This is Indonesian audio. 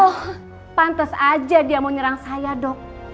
oh pantes aja dia mau nyerang saya dok